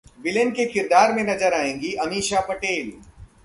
villain के किरदार में नजर आएंगी अमीषा पटेल